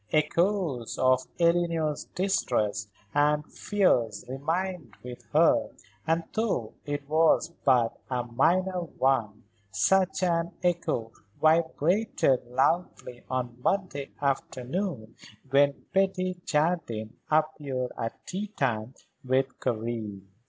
Echoes of Eleanor's distrusts and fears remained with her, and, though it was but a minor one, such an echo vibrated loudly on Monday afternoon when Betty Jardine appeared at tea time with Karen.